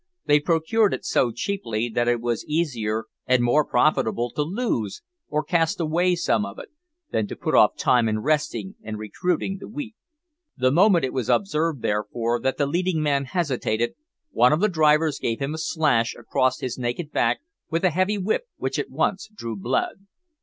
They procured it so cheaply that it was easier and more profitable to lose or cast away some of it, than to put off time in resting and recruiting the weak. The moment it was observed, therefore, that the leading man hesitated, one of the drivers gave him a slash across his naked back with a heavy whip which at once drew blood.